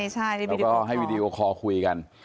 แล้วก็ให้วีดีโอคอลคุยกัน